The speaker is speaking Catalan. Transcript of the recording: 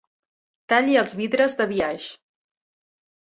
Talli els vidres de biaix.